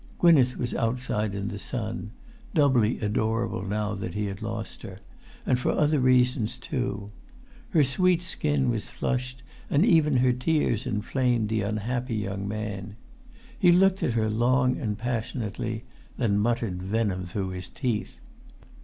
Gwynneth was outside in the sun, doubly adorable now that he had lost her, and for other reasons too. Her sweet skin was flushed, and even her tears inflamed the unhappy young man. He looked at her[Pg 333] long and passionately, then muttered venom through his teeth.